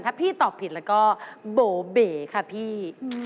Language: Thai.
ถ้าพี่ตอบผิดแล้วก็โบเบ๋ค่ะพี่